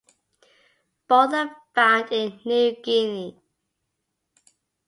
Both are found in New Guinea.